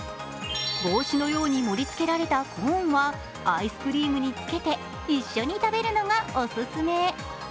帽子のように盛りつけられたコーンはアイスクリームにつけて一緒に食べるのがオススメ。